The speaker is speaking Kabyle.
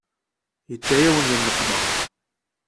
Yedda-yawen di nneqma.